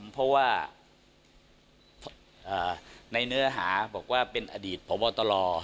เพราะว่าในเนื้อหาบอกว่าเป็นอดีตพบตร